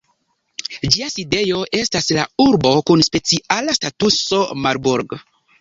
Ĝia sidejo estas la urbo kun speciala statuso Marburg.